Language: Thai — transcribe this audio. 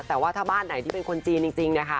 แต่ว่าถ้าบ้านไหนที่เป็นคนจีนจริงนะคะ